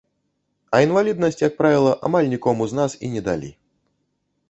А інваліднасць, як правіла, амаль нікому з нас і не далі.